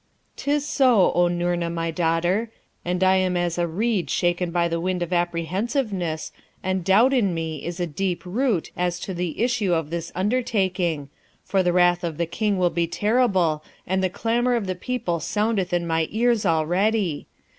'Tis so, O Noorna, my daughter, and I am as a reed shaken by the wind of apprehensiveness, and doubt in me is a deep root as to the issue of this undertaking, for the wrath of the King will be terrible, and the clamour of the people soundeth in my ears already.